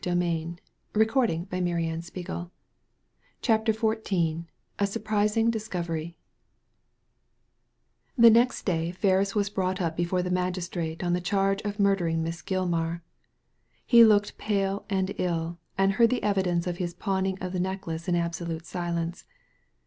Digitized by Google CHAPTER XIV A SURPRISING DISCOVERY The next* day Ferris was brought up before the magistrate on the charge of murdering Miss Gilmar. He looked pale and ill, and heard the evidence of his pawning of the necklace in absolute silence.